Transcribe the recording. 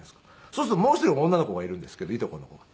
そうするともう一人女の子がいるんですけどいとこの子が。